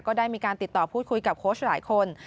ก็ได้มีการติดต่อพูดคุยกับโค้ชหลายคน